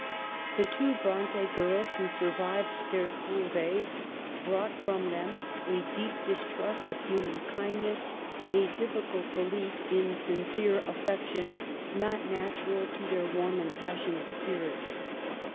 The two Bronte girls who survived their school days brought from them a deep distrust of human kindness, a difficult belief in sincere affection, not natural to their warm and passionate spirits.